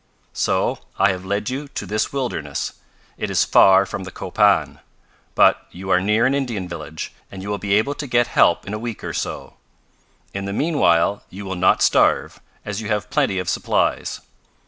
"So I have led you to this wilderness. It is far from the Copan, but you are near an Indian village, and you will be able to get help in a week or so. In the meanwhile you will not starve, as you have plenty of supplies.